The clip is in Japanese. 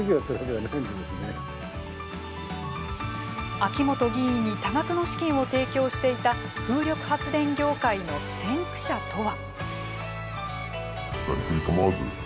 秋本議員に多額の資金を提供していた風力発電業界の先駆者とは。